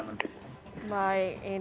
kedisiplinan masyarakatnya juga bagus